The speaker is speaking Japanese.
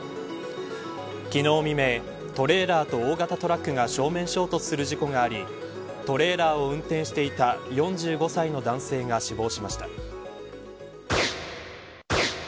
昨日未明トレーラーと大型トラックが正面衝突する事故がありトレーラーを運転してた４５歳の男性が死亡しました。